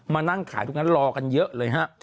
มานั่งขายลอร์กันเยอะเลยฮะ